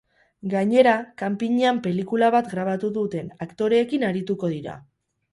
Gainera, kanpinean pelikula bat grabatu duten aktoreekin arituko dira.